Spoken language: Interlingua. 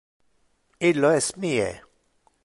Illo es mie.